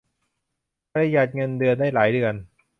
ประหยัดเงินเดือนได้หลายเดือน